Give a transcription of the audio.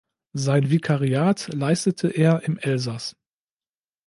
Sein Vikariat leistete er im Elsass.